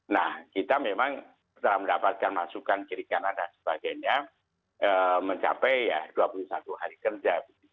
nah kita memang setelah mendapatkan masukan kiri kanan dan sebagainya mencapai dua puluh satu hari kerja